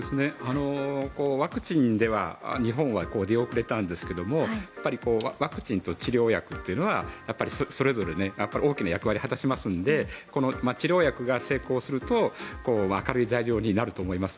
ワクチンでは日本は出遅れたんですがワクチンと治療薬というのはそれぞれ大きな役割を果たしますので治療薬が成功すると明るい材料になると思います。